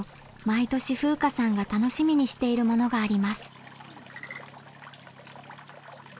毎年風夏さんが楽しみにしているものがあります。